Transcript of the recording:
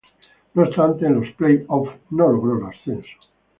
No obstante, en los "play-off" no logró el ascenso.